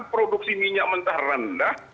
produksi minyak mentah rendah